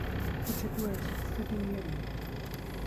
Which it was, pretty nearly.